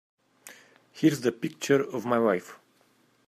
Here's the picture of my wife.